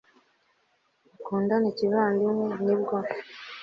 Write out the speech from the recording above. mukundane kivandimwe, nibwo